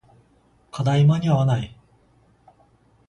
課題間に合わない